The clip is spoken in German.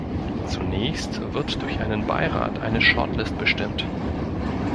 Zunächst wird durch einen Beirat eine Shortlist bestimmt.